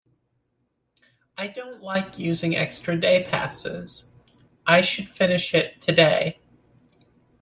I don't like using extra day passes; I should finish it today.